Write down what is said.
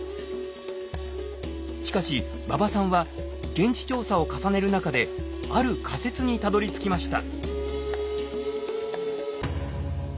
しかし馬場さんは現地調査を重ねる中である仮説にたどりつきました。